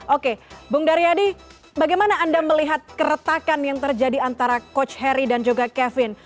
oke bung daryadi bagaimana anda melihat keretakan yang terjadi antara coach harry dan juga kevin